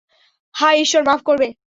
হায়, ঈশ্বর, মাফ করবে!